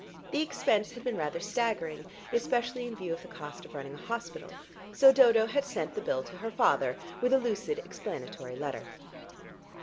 The expense had been rather staggering, especially in view of the cost of running a hospital, so Dodo had sent the bill to her father with a lucid explanatory letter.